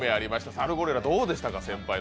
サルゴリラ、どうでしたか。